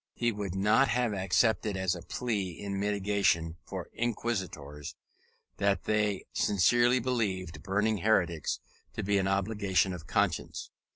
He would not have accepted as a plea in mitigation for inquisitors, that they sincerely believed burning heretics to be an obligation of conscience.